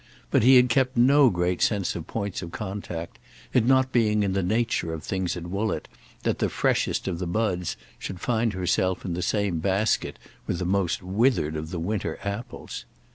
But he had kept no great sense of points of contact; it not being in the nature of things at Woollett that the freshest of the buds should find herself in the same basket with the most withered of the winter apples.